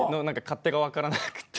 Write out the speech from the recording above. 勝手が分からない？